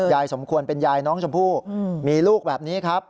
สมควรเป็นยายน้องชมพู่มีลูกแบบนี้ครับ